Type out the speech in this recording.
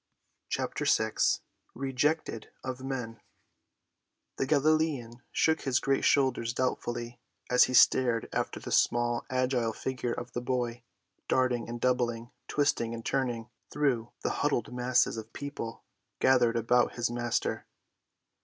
CHAPTER VI REJECTED OF MEN The Galilean shook his great shoulders doubtfully as he stared after the small, agile figure of the boy, darting and doubling, twisting and turning through the huddled masses of people gathered about his Master.